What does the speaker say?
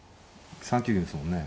３九銀ですもんね。